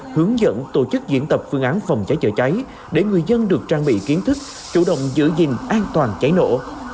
hướng dẫn tổ chức diễn tập phương án phòng cháy chữa cháy để người dân được trang bị kiến thức chủ động giữ gìn an toàn cháy nổ